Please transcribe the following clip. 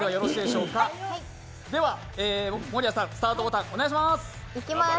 では、守屋さん、スタートボタンお願いします。